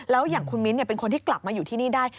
แล้วอย่างคุณมิ้นเป็นคนที่กลับมาอยู่ที่นี่ได้